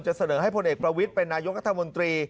เสนอให้พลเอกประวิทย์เป็นนายกรัฐมนตรี